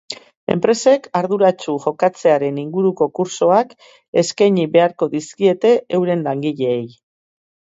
Enpresek arduratsu jokatzearen inguruko kurtsoak eskaini beharko dizkiete euren langileei.